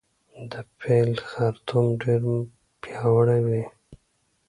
د پیل خرطوم ډیر پیاوړی وي